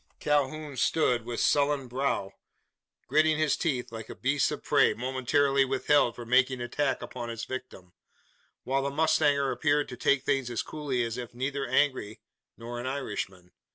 Calhoun stood, with sullen brow, gritting his teeth, like a beast of prey momentarily withheld from making attack upon its victim; while the mustanger appeared to take things as coolly as if neither angry, nor an Irishman.